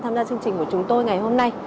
tham gia chương trình của chúng tôi ngày hôm nay